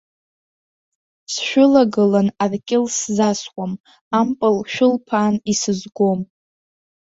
Сшәылагылан аркьыл сзасуам, ампыл шәылԥаан исызгом.